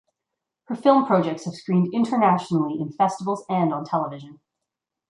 Her film projects have screened internationally in festivals and on television.